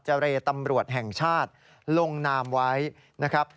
เรตำรวจแห่งชาติลงนามไว้นะครับ